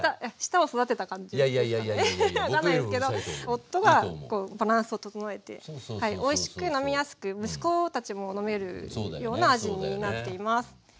夫がこうバランスを整えておいしく飲みやすく息子たちも飲めるような味になっています。